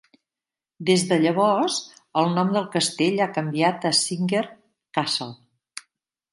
Des de llavors, el nom del castell ha canviat a "Singer Castle".